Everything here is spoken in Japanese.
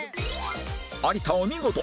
有田お見事！